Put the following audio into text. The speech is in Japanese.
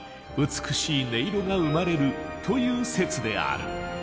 美しい音色が生まれるという説である。